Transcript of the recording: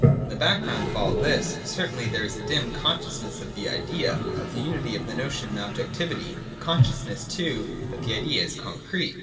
In the back ground of all this, certainly, there is a dim conscious ness of the Idea, of the unity of the notion and objec tivity, — a consciousness, too, that the idea is concrete.